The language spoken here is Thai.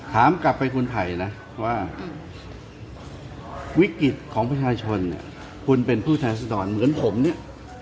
ถามกลับไปคนไทยนะว่าวิกฤตของประชาชนเนี่ยคุณเป็นผู้แทนรัศดรเหมือนผมเนี่ย